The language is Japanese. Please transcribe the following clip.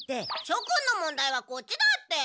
しょくんの問題はこっちだって。